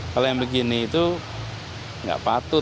kalau yang begini itu nggak patut